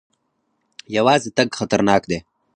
یوازې تګ خطرناک دی.